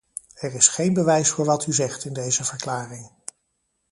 Er is geen bewijs voor wat u zegt in deze verklaring.